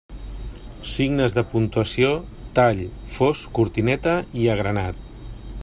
Signes de puntuació: tall, fos, cortineta i agranat.